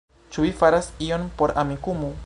Ĉu vi faras ion por Amikumu?